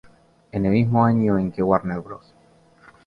En el mismo año en que Warner Bros.